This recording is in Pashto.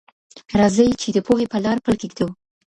راځئ چي د پوهي په لار پل کېږدو.